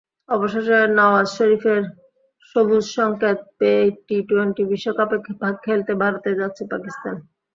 অবশেষে নওয়াজ শরিফের সবুজসংকেত পেয়েই টি-টোয়েন্টি বিশ্বকাপে খেলতে ভারতে যাচ্ছে পাকিস্তান।